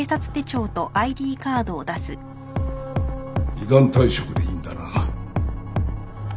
依願退職でいいんだな？